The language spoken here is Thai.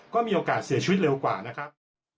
ก็มีโอกาสเสียชีวิตเร็วกว่านะครับ